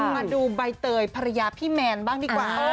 มาดูใบเตยภรรยาพี่แมนบ้างดีกว่า